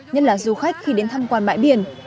nhất là du khách khi đến thăm quan bãi biển